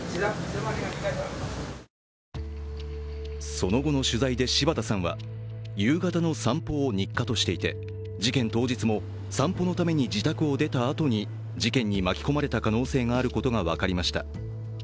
その後の取材で、柴田さんは夕方の散歩を日課としていて事件当日も散歩のために自宅を出たあとに事件に巻き込まれた可能性があることが分かりました。